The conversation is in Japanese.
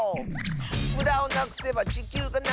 「むだをなくせばちきゅうがながいき」